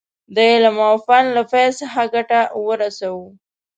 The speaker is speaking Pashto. د علم او فن له فیض څخه ګټه ورسوو.